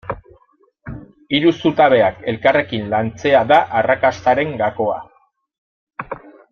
Hiru zutabeak elkarrekin lantzea da arrakastaren gakoa.